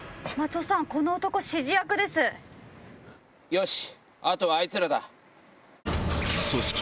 よし！